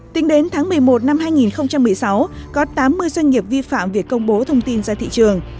tính đến tháng một mươi một năm hai nghìn một mươi sáu có tám mươi doanh nghiệp vi phạm việc công bố thông tin ra thị trường